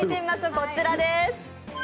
こちらです。